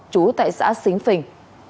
chú tại xã xính phình